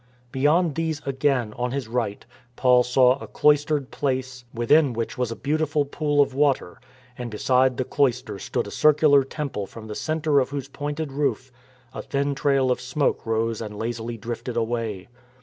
Beyond these again, on his right, Paul saw a cloistered place within which was a beautiful pool of water; and beside the cloister stood a circular temple from the centre of whose pointed roof a thin trail of smoke rose and lazily drifted away.